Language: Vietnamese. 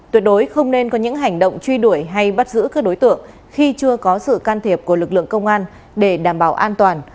tuyệt đối không nên có những hành động truy đuổi hay bắt giữ các đối tượng khi chưa có sự can thiệp của lực lượng công an để đảm bảo an toàn